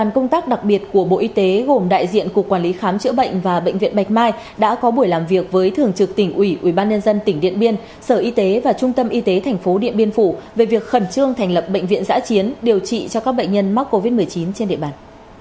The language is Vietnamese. đoàn công tác đặc biệt của bộ y tế gồm đại diện cục quản lý khám chữa bệnh và bệnh viện bạch mai đã có buổi làm việc với thường trực tỉnh ủy ubnd tỉnh điện biên sở y tế và trung tâm y tế tp điện biên phủ về việc khẩn trương thành lập bệnh viện giã chiến điều trị cho các bệnh nhân mắc covid một mươi chín trên địa bàn